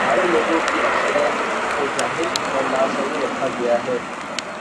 ہمارے لوگوں کی اکثریت کو جاہل اور لاشعور رکھا گیا ہے۔